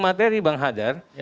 di materi bang hadar